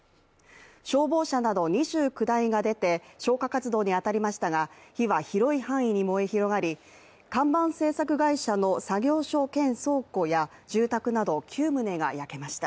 消防車など２９台が出て消火活動に当たりましたが、火は広い範囲に燃え広がり看板制作会社の作業所兼倉庫や住宅など９棟が焼けました。